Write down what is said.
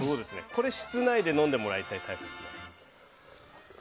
これ、室内で飲んでもらいたいタイプです。